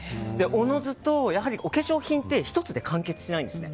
おのずと、お化粧品って１つで完結しないんですね。